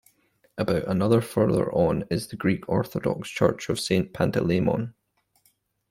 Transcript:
About another further on is the Greek Orthodox Church of Saint Panteleimon.